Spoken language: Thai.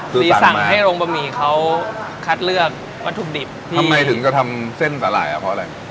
หรือสั่งให้โรงบะหมี่เขาคัดเลือกวัตถุดิบทำไมถึงจะทำเส้นสาหร่ายอ่ะเพราะอะไร